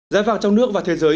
giá vàng trong nước và thế giới